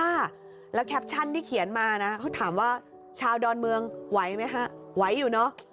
ค่ะแล้วแคปชั่นที่เขียนมานะเขาถามว่าชาวดอนเมืองไหวไหมฮะไหวอยู่เนอะ